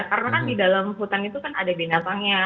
karena kan di dalam hutan itu kan ada binatangnya